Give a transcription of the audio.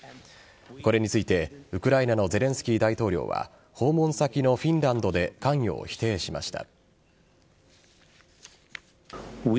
これについて、ウクライナのゼレンスキー大統領は訪問先のフィンランドで関与を否定しました。